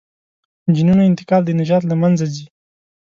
جینونو انتقال د نژاد له منځه ځي.